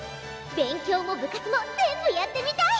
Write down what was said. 勉強も部活も全部やってみたい！